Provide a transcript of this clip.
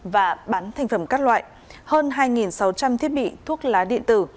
và bán thành phẩm các loại hơn hai sáu trăm linh thiết bị thuốc lá điện tử